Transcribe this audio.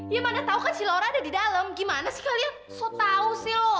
ya mana tau kan si laura ada di dalam gimana sih kalian so tau sih lo